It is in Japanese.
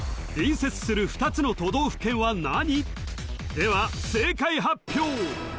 では正解発表！